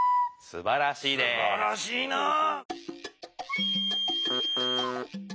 すばらしいなぁ。